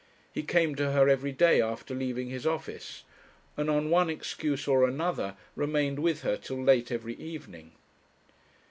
He came to her everyday after leaving his office, and on one excuse or another remained with her till late every evening.